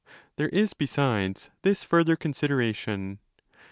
There is, besides, this further consideration.